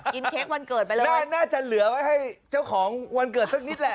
เค้กวันเกิดไปเลยน่าจะเหลือไว้ให้เจ้าของวันเกิดสักนิดแหละ